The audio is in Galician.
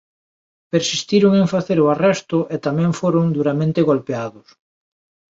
Persistiron en facer o arresto e tamén foron duramente golpeados.